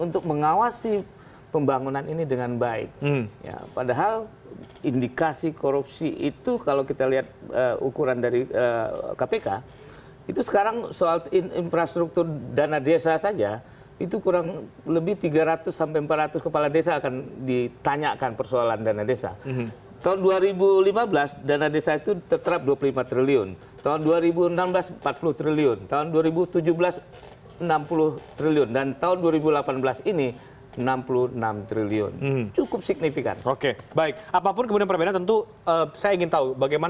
terima kasih terima kasih terima kasih